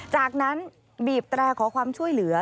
จากนั้นบีบแตรขอความช่วยเหลือ